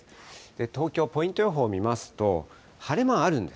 東京、ポイント予報を見ますと、晴れ間はあるんです。